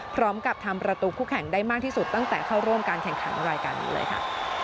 พร้อมกับทำประตูคู่แข่งได้มากที่สุดตั้งแต่เข้าร่วมการแข่งขันรายการนี้เลยค่ะ